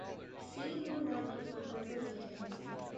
See Vanlandi for further details.